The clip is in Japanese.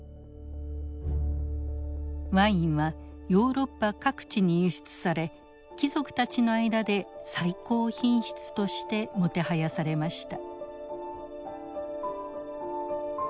ワインはヨーロッパ各地に輸出され貴族たちの間で最高品質としてもてはやされました。